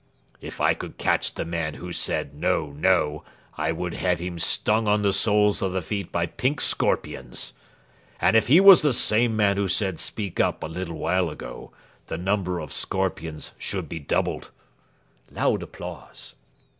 If I could catch the man who said 'No, no!' I would have him stung on the soles of the feet by pink scorpions; and if he was the same man who said 'Speak up!' a little while ago, the number of scorpions should be doubled. (Loud applause.)